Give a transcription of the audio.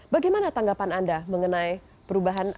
bagaimana tanggapan anda mengenai perubahan